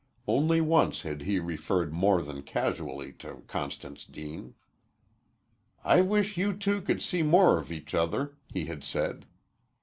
Only once had he referred more than casually to Constance Deane. "I wish you two could see more of each other," he had said.